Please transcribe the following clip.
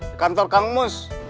di kantor kamus